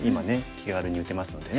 気軽に打てますのでね。